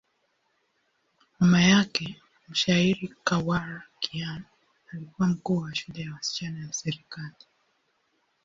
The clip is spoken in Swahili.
Mama yake, mshairi Khawar Kiani, alikuwa mkuu wa shule ya wasichana ya serikali.